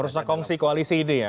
harusnya kongsi koalisi ini ya